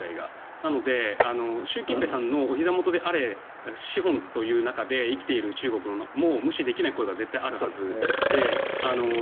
なので、習近平さんのおひざ元であれ資本という中で生きている中国も無視できない声が絶対あるはず。